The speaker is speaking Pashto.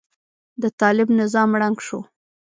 د طالب نظام ړنګ شو.